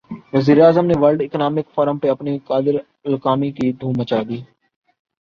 وزیر اعظم نے ورلڈ اکنامک فورم پہ اپنی قادرالکلامی کی دھوم مچا دی۔